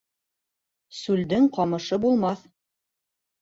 Сүлдең ҡамышы булмаҫ